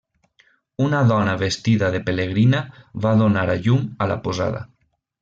Una dona vestida de pelegrina, va donar a llum a la posada.